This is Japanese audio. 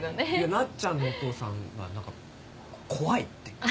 なっちゃんのお父さんは何か怖いって。